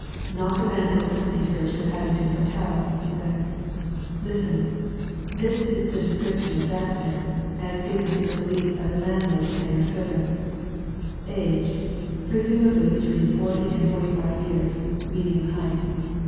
"Not the man who accompanied her to the Paddington Hotel," he said. "Listen this is the description of that man, as given to the police by the landlady and her servants: 'Age, presumably between forty and forty five years, medium height.